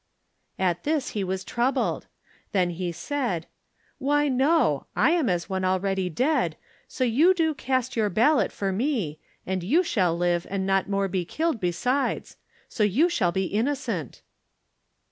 At this he was troubled. Then he said: "Why, no! I am as one already dead, so do you cast your ballot for me, and you shall live and not one more be killed besides. So you shall be innocent."